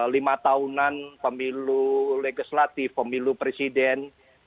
lima tahunan pemilu legislatif pemilu presiden